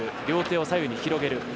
両手を左右に広げる。